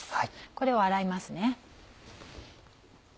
これを洗います。